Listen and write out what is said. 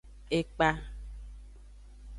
Ekpa.